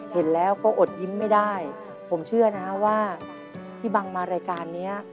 เห็นแล้วก็อดยิ้มไม่ได้ผมเชื่อนะฮะว่าที่บังมารายการนี้